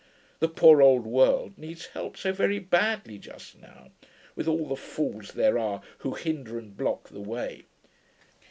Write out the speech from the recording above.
The poor old world needs help so very badly just now, with all the fools there are who hinder and block the way.